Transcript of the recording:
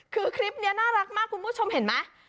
คือคลิปนี้น่ารักมากคุณผู้ชมเห็นไหม